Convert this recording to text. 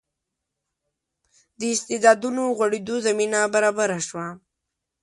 د استعدادونو غوړېدو زمینه برابره شوه.